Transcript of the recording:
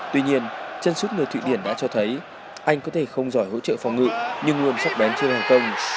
tuy nhiên chân súc người thụy điển đã cho thấy anh có thể không giỏi hỗ trợ phòng ngự nhưng luôn sắp bén trên hàng công